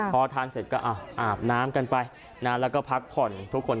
พอทานเสร็จก็อาบน้ำกันไปนะแล้วก็พักผ่อนทุกคน